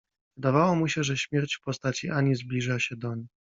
Wydawało mu się, że śmierć w postaci Anii zbliża się doń.